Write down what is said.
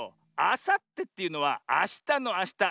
あさってっていうのはあしたのあした。